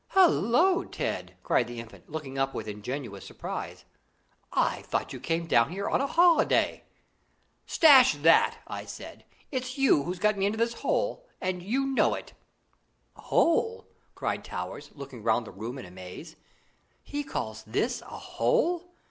"Hallo, Ted!" cried the Infant, looking up with ingenuous surprise, "I thought you came down here on a holiday?" "Stash that!" I said. "It's you who've got me into this hole, and you know it." "Hole!" cried Towers, looking round the room in amaze. "He calls this a hole!